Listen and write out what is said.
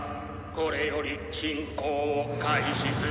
これより進攻を開始する。